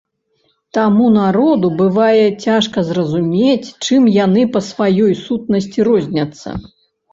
Таму народу бывае цяжка зразумець, чым яны па сваёй сутнасці розняцца.